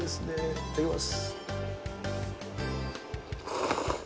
いただきます。